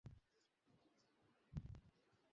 আমাকে যেতে দিন!